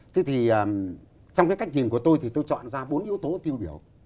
thế thì trong cái cách nhìn của tôi thì tôi chọn ra bốn yếu tố tiêu biểu